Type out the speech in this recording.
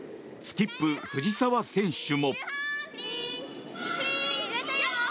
スキップ藤澤選手も。